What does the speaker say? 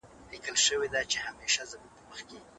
ليکوالانو ته اجازه ورکړئ چي په ازاده توګه ليکل وکړي.